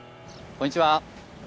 こんにちは。